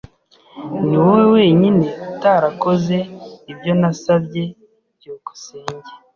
Niwowe wenyine utarakoze ibyo nasabye. byukusenge